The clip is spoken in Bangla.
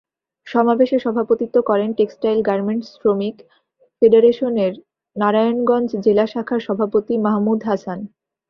সমাবেশে সভাপতিত্ব করেন টেক্সটাইল গার্মেন্টস শ্রমিক ফেডারেশনের নারায়ণগঞ্জ জেলা শাখার সভাপতি মাহমুদ হাসান।